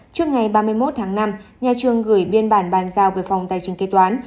trước ngày ba mươi một tháng năm nhà trường gửi biên bản bàn giao về phòng tài chính kế toán